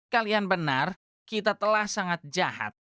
kalian benar kita telah sangat jahat